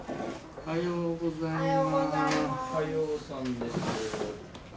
おはようございます。